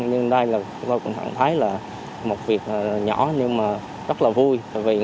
nhưng đây là tôi cũng thấy là một việc nhỏ nhưng mà rất là vui